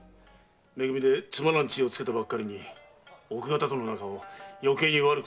め組でつまらん知恵をつけたばっかりに奥方との仲をよけいに悪くしてしまって。